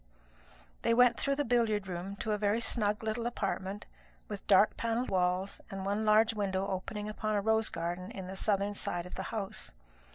They went through the billiard room to a very snug little apartment, with dark panelled walls and one large window opening upon a rose garden on the southern side of the house.